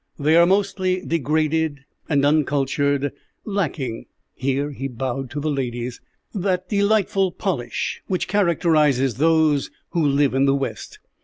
They are mostly degraded and uncultured, lacking" here he bowed to the ladies "that delightful polish which characterizes those who live in the West.